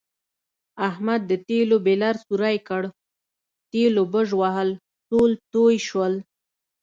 احمد د تېلو بیلر سوری کړ، تېلو بژوهل ټول تویې شول.